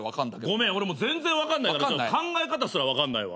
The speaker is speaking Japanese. ごめん俺全然分かんないから考え方すら分かんないわ。